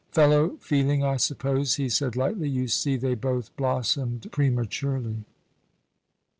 "Fellow feeling, I suppose," he said lightly; "you see, they both blossomed prematurely."